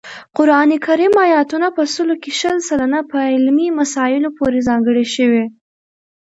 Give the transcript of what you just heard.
قران کریم آیاتونه په سلو کې شل سلنه په علمي مسایلو پورې ځانګړي شوي